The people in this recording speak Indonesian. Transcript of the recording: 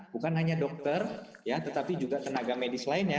bukan hanya dokter tetapi juga tenaga medis lainnya